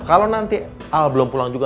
tapi al belum pulang juga